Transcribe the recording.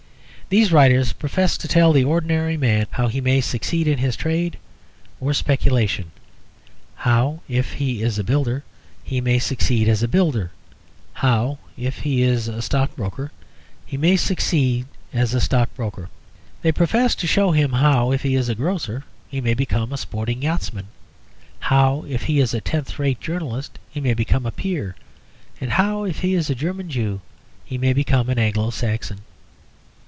These writers profess to tell the ordinary man how he may succeed in his trade or speculation how, if he is a builder, he may succeed as a builder; how, if he is a stockbroker, he may succeed as a stockbroker. They profess to show him how, if he is a grocer, he may become a sporting yachtsman; how, if he is a tenth rate journalist, he may become a peer; and how, if he is a German Jew, he may become an Anglo Saxon.